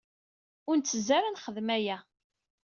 Ur nettezzi ara ad nexdem aya.